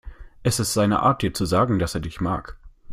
Es ist seine Art, dir zu sagen, dass er dich mag.